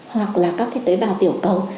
hoặc là các cái tế bào tiểu cầu